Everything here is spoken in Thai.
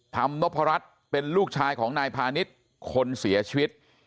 ธรรมนพรัชเป็นลูกชายของนายพาณิชย์คนเสียชีวิต